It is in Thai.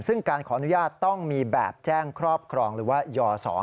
ซึ่งการขออนุญาตต้องมีแบบแจ้งครอบครองหรือว่ายศ